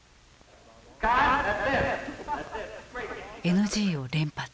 ＮＧを連発。